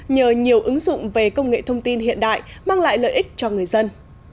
nhờ nhiều ứng dụng về công nghệ thông tin hiện đại mang lại lợi ích cho người dân